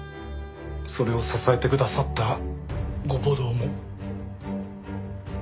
それを支えてくださったご母堂も。